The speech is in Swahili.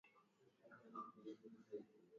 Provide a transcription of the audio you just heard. Wanafunzi sasa wanasomea chini ya miti